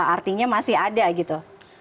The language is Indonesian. artinya masih ada gitu